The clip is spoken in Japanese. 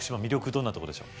どんなとこでしょう？